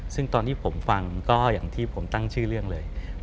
ซึ่งตอนที่ผมฟังก็อย่างที่ผมตั้งชื่อเรื่องเลย